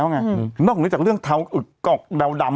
สวัสดีครับคุณผู้ชม